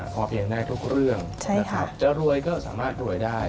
พอเพียงได้ทุกเรื่องนะครับจะรวยก็สามารถรวยได้